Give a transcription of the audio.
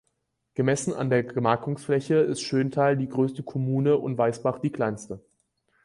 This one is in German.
Gemessen an der Gemarkungsfläche ist Schöntal die größte Kommune und Weißbach die kleinste.